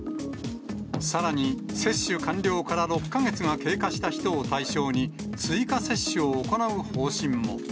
さらに接種完了から６か月が経過した人を対象に、追加接種を行う方針も。